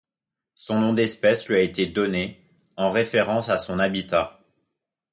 Son nom d'espèce lui a été donné en référence à son habitat.